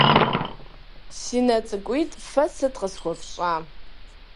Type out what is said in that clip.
- Си нэ цӏыкӏуитӏ, фэ сыт къысхуэфщӏа?